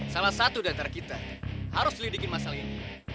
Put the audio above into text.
salah satu di antara kita harus lidikin masalah ini